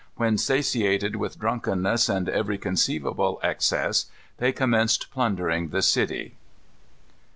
When satiated with drunkenness, and every conceivable excess, they commenced plundering the city.